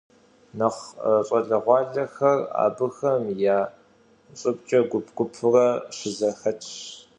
Нэхъ щӏалэгъуалэхэр абыхэм я щӏыбкӏэ гуп-гупурэ щызэхэтщ.